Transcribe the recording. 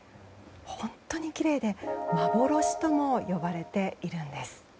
本当にきれいで幻とも呼ばれているんです。